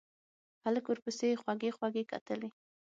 هلک ورپسې خوږې خوږې کتلې.